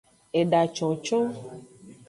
Eda concon.